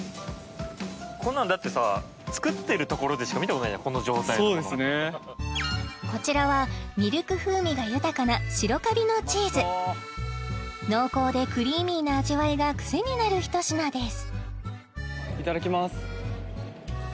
こういうのとかこの状態のそうですねこちらはミルク風味が豊かな白カビのチーズ濃厚でクリーミーな味わいが癖になる一品です